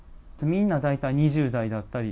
みんな大体２０代だったり。